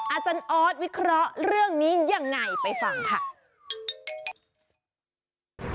อาจารย์ออสวิเคราะห์เรื่องนี้ยังไงไปฟังค่ะ